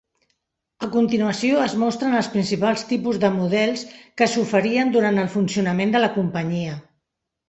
A continuació es mostren els principals tipus de models que s'oferien durant el funcionament de la companyia.